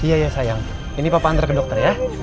iya ya sayang ini papa antar ke dokter ya